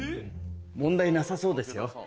問題なさそうですよ。